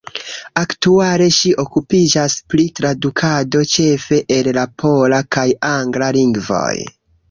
Aktuale ŝi okupiĝas pri tradukado, ĉefe el la pola kaj angla lingvoj.